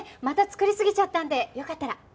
また作りすぎちゃったんでよかったら。